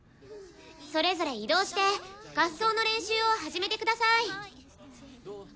それぞれ移動して合奏の練習を始めてください。